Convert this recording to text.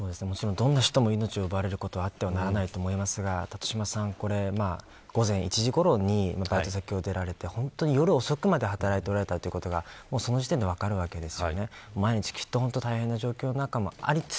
どんな人も命を奪われることはあってはならないと思いますが辰島さん午前１時ごろに出られて夜遅くまで働いておられたことがその時点で分かるわけです。